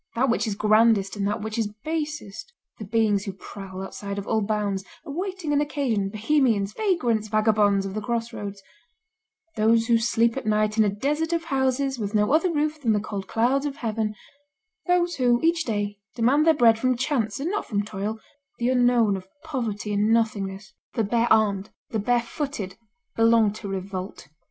That which is grandest and that which is basest; the beings who prowl outside of all bounds, awaiting an occasion, bohemians, vagrants, vagabonds of the crossroads, those who sleep at night in a desert of houses with no other roof than the cold clouds of heaven, those who, each day, demand their bread from chance and not from toil, the unknown of poverty and nothingness, the bare armed, the bare footed, belong to revolt.